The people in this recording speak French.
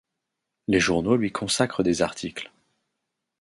Les journaux lui consacrent des articles.